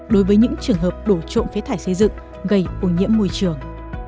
đối với những trường hợp đổ trộm phế thải xây dựng gây ô nhiễm môi trường